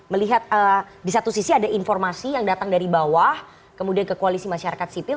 melihat di satu sisi ada informasi yang datang dari bawah kemudian ke koalisi masyarakat sipil